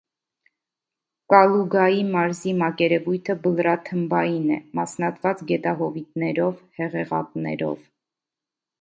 Կալուգայի մարզի մակերևույթը բլրաթմբային է՝ մասնատված գետահովիտներով, հեղեղատներով։